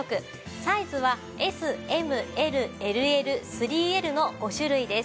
サイズはＳＭＬＬＬ３Ｌの５種類です。